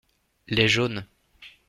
Les jaunes.